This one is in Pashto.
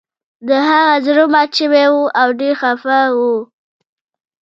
د هغه زړه مات شوی و او ډیر خفه و